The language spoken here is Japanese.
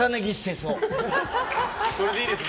それでいいですね。